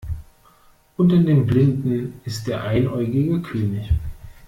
Unter den Blinden ist der Einäugige König.